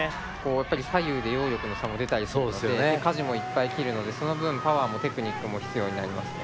やっぱり左右で揚力の差も出たりするので舵もいっぱい切るのでその分パワーもテクニックも必要になりますね。